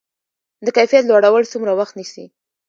د کیفیت لوړول څومره وخت نیسي؟